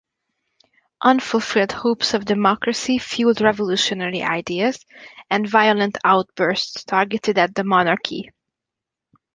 Unfulfilled hopes of democracy fueled revolutionary ideas and violent outbursts targeted at the monarchy.